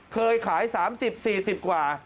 เคยขาย๓๐๔๐กว่า